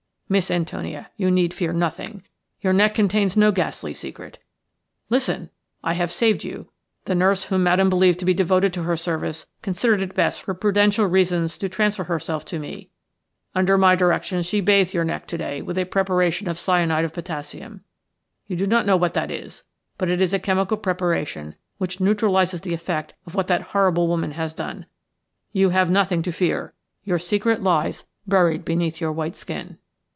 Miss Antonia, you need fear nothing. Your neck contains no ghastly secret. Listen! I have saved you. The nurse whom Madame believed to be devoted to her service considered it best for prudential reasons to transfer herself to me. Under my directions she bathed your neck to day with a preparation of cyanide of potassium. You do not know what that is, but it is a chemical preparation which neutralizes the effect of what that horrible woman has done. You have nothing to fear – your secret lies buried beneath your white skin."